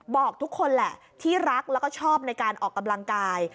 บอกทุกคนแหละที่รักแล้วก็ชอบในการออกกำลังกาย